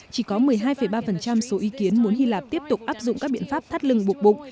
vì có một mươi hai ba số ý kiến muốn hy lạp tiếp tục áp dụng các biện pháp thắt lưng bục bục